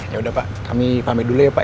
ya udah pak kami pamit dulu ya pak